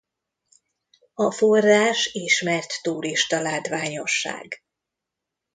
A forrás ismert turistalátványosság.